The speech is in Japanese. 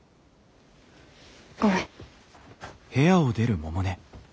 ごめん。